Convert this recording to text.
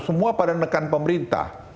semua pada nekan pemerintah